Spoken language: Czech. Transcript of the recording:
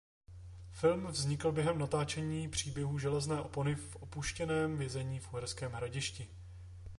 Film vznikl během natáčení Příběhů železné opony v opuštěném vězení v Uherském Hradišti.